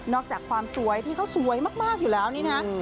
อกจากความสวยที่เขาสวยมากอยู่แล้วนี่นะ